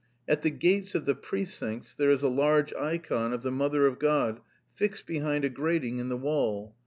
At the gates of the precincts there is a large ikon of the Mother of God fixed behind a grating in the wall.